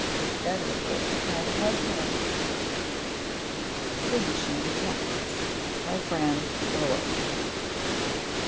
Then the porcupine went home. [_Tsimshian Texts, by Franz Boas.